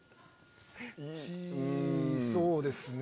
そうですね。